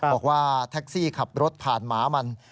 บอกว่าแท็กซี่ขับรถผ่านหมามัน